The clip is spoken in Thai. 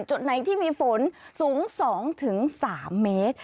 จุดไหนที่มีฝนสูง๒๓เมตร